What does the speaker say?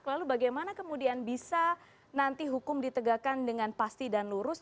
lalu bagaimana kemudian bisa nanti hukum ditegakkan dengan pasti dan lurus